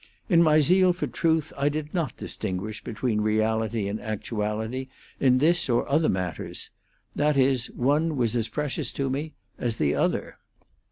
In my zeal for truth I did not distinguish between reality and actuality in this or other matters that is, one was as precious to me as the other.